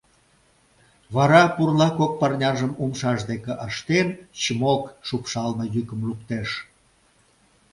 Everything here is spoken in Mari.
Вара, пурла кок парняжым умшаж дек ыштен, «чмок» шупшалме йӱкым луктеш.